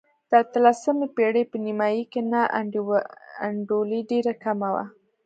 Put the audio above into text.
د اتلسمې پېړۍ په نیمايي کې نا انډولي ډېره کمه وه.